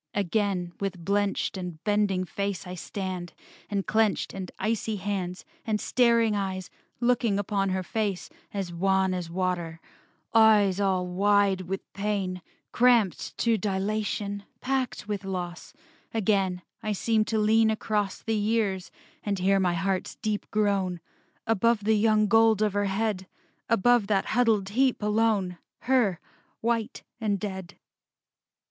Again, with blenched And bending face I stand, and clenched And icy hands, and staring eyes, Looking upon her face, as wan As water; eyes all wide with pain; Cramped to dilation, packed with loss: Again I seem to lean across The years, and hear my heart's deep groan Above the young gold of her head, Above that huddled heap alone, Her, white and dead.